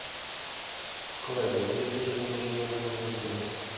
Koledzy, wiecie że nie możemy regulować rynku